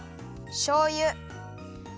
しょうゆ。